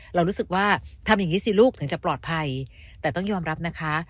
เรารู้สึกว่าทำอย่างนี้สิลูกถึงจะปลอดภัยแต่ต้องยอมรับนะคะ